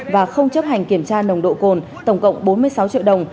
và không chấp hành kiểm tra nồng độ cồn tổng cộng bốn mươi sáu triệu đồng